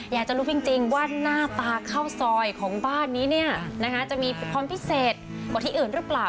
อยากจะรู้จริงว่าหน้าตาข้าวซอยของบ้านนี้จะมีความพิเศษกว่าที่อื่นหรือเปล่า